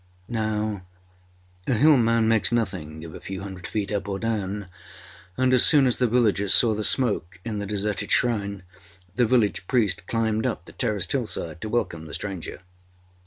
Now, a Hill man makes nothing of a few hundred feet up or down, and as soon as the villagers saw the smoke in the deserted shrine, the village priest climbed up the terraced hillside to welcome the stranger.